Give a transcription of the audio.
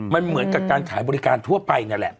มันเหมือนกับการขายบริการทั่วไปนั่นแหละ